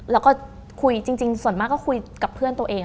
แล้วก็คุยจริงส่วนมากก็คุยกับเพื่อนตัวเอง